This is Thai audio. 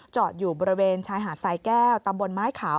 จอดอยู่บริเวณชายหาดสายแก้วตำบลไม้ขาว